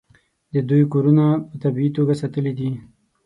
د دوی کورونه په طبیعي توګه ساتلي دي.